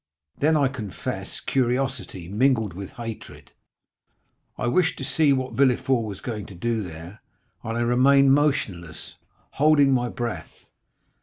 Then, I confess, curiosity mingled with hatred; I wished to see what Villefort was going to do there, and I remained motionless, holding my breath.